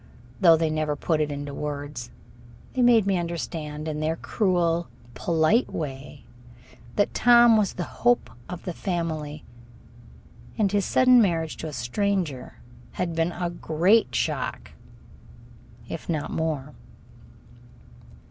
Though they never put it into words, they made me understand, in their cruel, polite way, that Tom was the hope of the family, and his sudden marriage to a stranger had been a great shock, if not more.